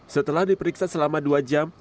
setelah diperiksa selama dua jam